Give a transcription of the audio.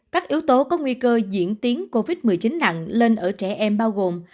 các yếu tố có nguy cơ diễn tiến covid một mươi chín nặng lên ở trẻ em bao gồm